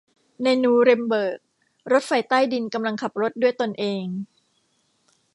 ในนูเรมเบิร์กรถไฟใต้ดินกำลังขับรถด้วยตนเอง